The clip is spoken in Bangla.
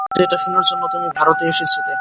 যেটা শোনার জন্য তুমি ভারতে এসেছিলে।